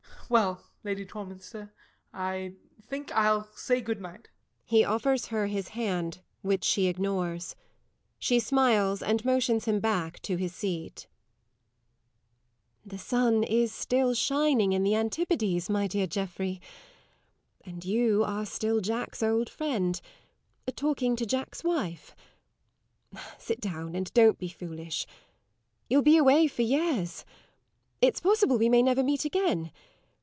Well, Lady Torminster, I think I'll say good night. [He offers his hand, which she ignores. She smiles, and motions him back to his seat. LADY TORMINSTER. The sun is still shining in the antipodes, my dear Geoffrey, and you are still Jack's old friend, talking to Jack's wife. Sit down, and don't be foolish. You'll be away for years; it's possible we may never meet again.